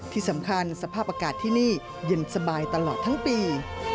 ที่สำคัญสภาพอากาศที่นี่เย็นสบายตลอดทั้งปี